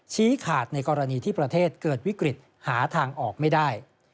ชี้ขาดในกรณีที่ประเทศเกิดวิกฤตหาทางออกไม่ได้